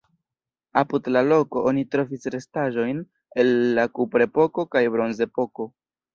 Apud la loko oni trovis restaĵojn el la kuprepoko kaj bronzepoko.